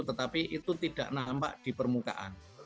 tetapi itu tidak nampak di permukaan